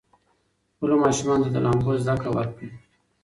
خپلو ماشومانو ته د لامبو زده کړه ورکړئ.